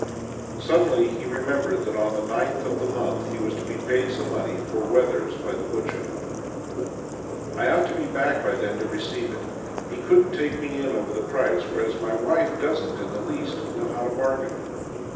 Suddenly he remembered that on the 9th of the month he v/as to be paid some money for wethers by the butcher. " I ought to be back by then to receive it. He couldn't take me in over the price, whereas my wife doesn't in the least know how to bargain.